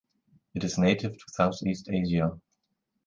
It is native to Southeast Asia.